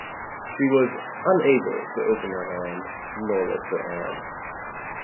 She was unable to open her hand, nor lift her arm.